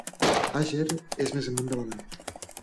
Àger és més amunt de Balaguer.